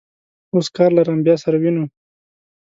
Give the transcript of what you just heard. اوس کار لرم، بیا سره وینو.